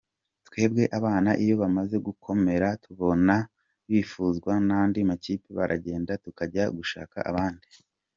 Twebwe abana iyo bamaze gukomera tubona bifuzwa n’andi makipe baragenda tukajya gushaka abandi.